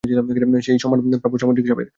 সেই সন্মান প্রাপ্য সামুদ্রিক সাপের।